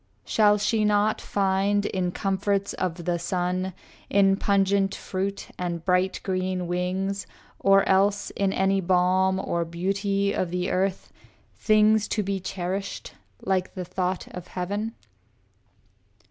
Shall she not find in comforts of the sun, In pungent fruit and bright green wings, or else In any balm or beauty of the earth, Things to be cherished like the thought of heaven?